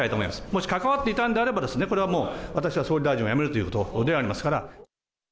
もし関わっていたんであれば、これはもう、私は総理大臣を辞めるということでありますから。